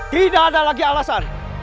tidak ada lagi alasan